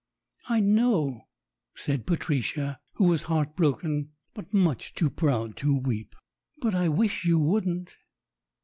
"I know," said Patricia, who was heart broken, but much too proud to weep. "But I wish you wouldn't."